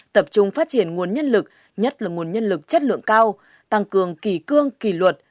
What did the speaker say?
tập trung phát triển nguồn nhân lực nhất là nguồn nhân lực chất lượng cao tăng cường kỳ cương kỳ luật